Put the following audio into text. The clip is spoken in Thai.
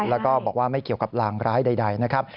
แล้วก็บอกว่าไม่เกี่ยวกับลางร้ายใดนะครับ